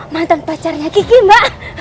mantan pacarnya kiki mbak